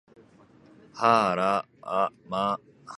はあら、ま